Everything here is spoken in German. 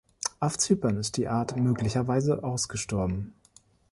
Auf Zypern ist die Art möglicherweise ausgestorben.